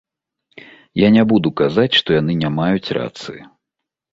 Я не буду казаць, што яны не маюць рацыі.